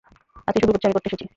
আজকে শুধু লুচ্চামি করতে এসেছি।